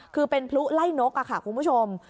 คือเป็นพลุไล่นกค่ะคุณผู้ชม